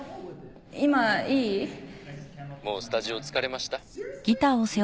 もうスタジオ着かれました？